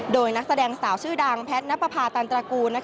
โดยนักแสดงสาวชื่อดังแพทย์นับประพาตันตระกูล